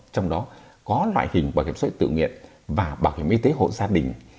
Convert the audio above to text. trong đó có loại hình bảo hiểm xã hội tự nguyện và bảo hiểm y tế hộ gia đình